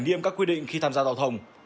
nghiêm các quy định khi tham gia giao thông